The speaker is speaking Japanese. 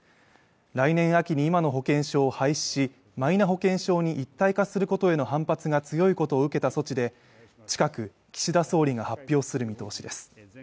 来年秋に今の保険証を廃止しマイナ保険証に一体化することへの反発が強いことを受けた措置で近く岸田総理が発表する見通しです